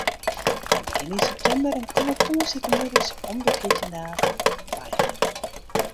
Wy begjinne yn septimber en komme tongersdeitemiddeis om de fjirtjin dagen byinoar.